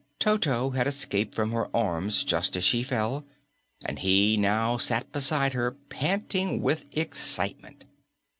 Toto had escaped from her arms just as she fell, and he now sat beside her panting with excitement.